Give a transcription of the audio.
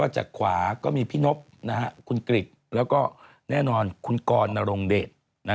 จากขวาก็มีพี่นบคุณกริจแล้วก็แน่นอนคุณกรนรงเดช